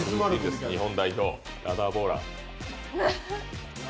日本代表、ラダーボーラー。